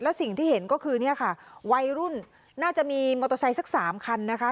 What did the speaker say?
สิ่งที่เห็นก็คือเนี่ยค่ะวัยรุ่นน่าจะมีมอเตอร์ไซค์สักสามคันนะคะ